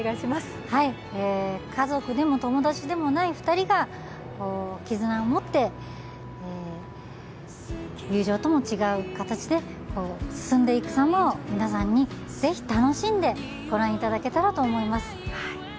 家族でも友達でもない２人が絆を持って友情とも違う形で進んでいくさまを皆さんにぜひ楽しんでご覧いただけたらと思います。